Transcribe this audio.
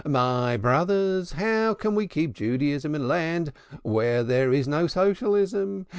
"My brothers, how can we keep Judaism in a land where there is no Socialism?